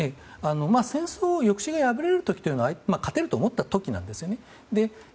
戦争抑止が破れる時というのは勝てると思った時なんですよね。